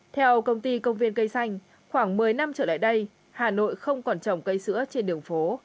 theo công ty công viên cây xanh khoảng một mươi năm trở lại đây hà nội không còn trồng cây sữa trên đường phố